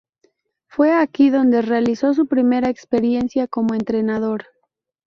Fue aquí donde realizó su primera experiencia como entrenador.